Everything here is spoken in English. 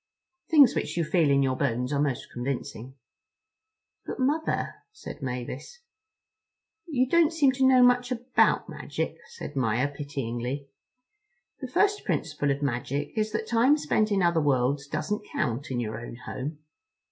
Things which you feel in your bones are most convincing. "But Mother," said Mavis. "You don't seem to know much about magic," said Maia pityingly: "the first principle of magic is that time spent in other worlds doesn't count in your own home.